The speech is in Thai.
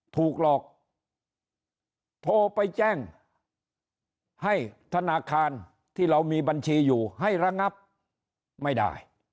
ถูกหลอกโทรไปแจ้งให้ธนาคารที่เรามีบัญชีอยู่ให้ระงับไม่ได้